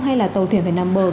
hay là tàu thuyền phải nằm bờ